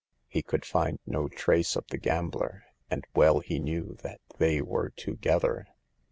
He could find no trace of the gambler, and well he knew that they were together.